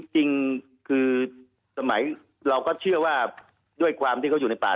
จริงคือสมัยเราก็เชื่อว่าด้วยความที่เขาอยู่ในป่า